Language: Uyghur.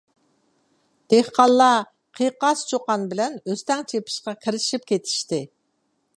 دېھقانلار قىيقاس چۇقان بىلەن ئۆستەڭ چېپىشقا كىرىشىپ كېتىشتى.